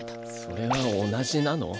それは同じなの？